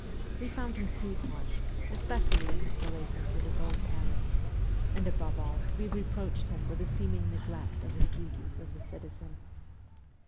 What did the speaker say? We found him too harsh, especially in his relations with his old parents, and, above all, we reproached him with his seeming neglect of his duties as a citizen.